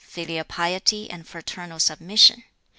Filial piety and fraternal submission!